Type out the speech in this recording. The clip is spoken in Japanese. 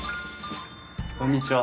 こんにちは。